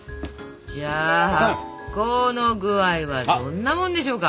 じゃあ発酵の具合はどんなもんでしょうか？